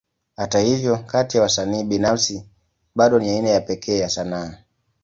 Hata hivyo, kati ya wasanii binafsi, bado ni aina ya pekee ya sanaa.